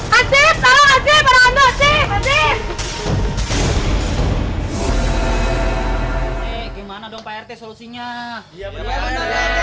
hai kalau hari gajah gajah atau arifian ingatkan air kamu tekan